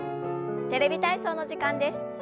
「テレビ体操」の時間です。